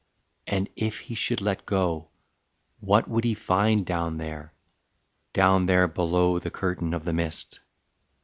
And if he should let go, What would he find down there, down there below The curtain of the mist?